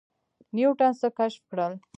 نیوټن څه کشف کړل؟